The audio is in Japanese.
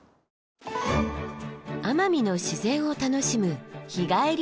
奄美の自然を楽しむ日帰りの旅。